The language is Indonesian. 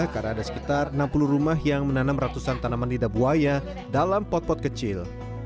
karena ada sekitar enam puluh rumah yang menanam ratusan tanaman lidah buaya dalam pot pot kecil